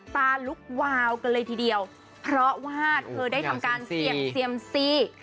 ตาลุกวาวกันเลยทีเดียวเพราะว่าเธอได้ทำการเสี่ยงเซียมซี